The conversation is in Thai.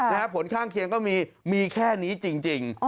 ผลข้างเคียงก็มีมีแค่นี้จริง